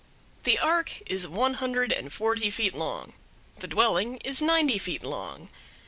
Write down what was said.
The ark is one hundred and forty feet long; the dwelling is ninety feet long.